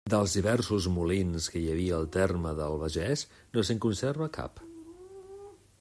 Dels diversos molins que hi havia al terme de l'Albagés no se'n conserva cap.